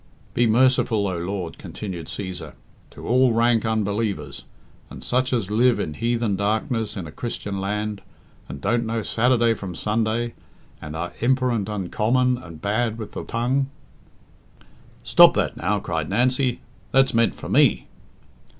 "Be merciful, O Lord," continued Cæsar, "to all rank unbelievers, and such as live in heathen darkness in a Christian land, and don't know Saturday from Sunday, and are imper ent uncommon and bad with the tongue " "Stop that now." cried Nancy, "that's meant for me."